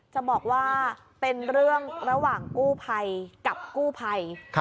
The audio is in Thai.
จะบอกว่าเป็นเรื่องระหว่างกู้ภัยกับกู้ภัย